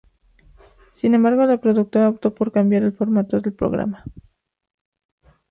Sin embargo, la productora optó por cambiar el formato del programa.